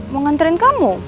mau nganterin kamu